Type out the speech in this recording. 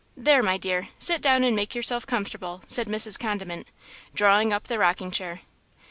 "There, my dear, sit down and make yourself comfortable," said Mrs. Condiment, drawing up the rocking chair.